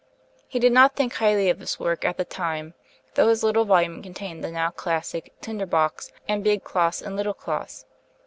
He did not think highly of this work at the time, though his little volume contained the now classic 'Tinderbox,' and 'Big Claus and Little Claus.'